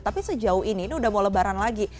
tapi sejauh ini ini udah mau lebaran lagi